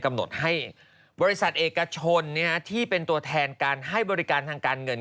กำหนดให้บริษัทเอกชนที่เป็นตัวแทนการให้บริการทางการเงิน